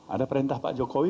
ada perintah pak jokowi